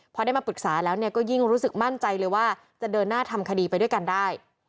พอได้มาปรึกษาแล้วก็ยิ่งรู้สึกมั่นใจเลยว่าจะเดินหน้าทำคดีไปด้วยกันได้